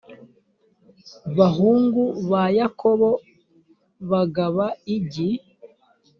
bahungu ba yakobo bagaba igi